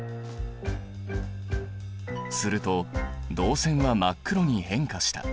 すると銅線は真っ黒に変化した。